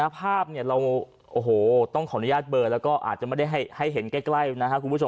ภาพเราต้องขออนุญาตเบอร์แล้วก็อาจจะไม่ได้ให้เห็นใกล้นะครับคุณผู้ชม